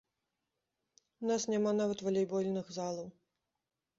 У нас няма нават валейбольных залаў.